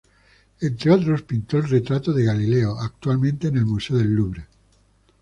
Entre otros, pintó el retrato de Galileo, actualmente en el Museo del Louvre.